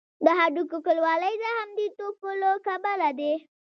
د هډوکو کلکوالی د همدې توکو له کبله دی.